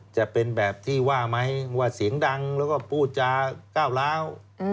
จะเป็นแบบที่ว่าไหมว่าเสียงดังแล้วก็พูดจาก้าวร้าว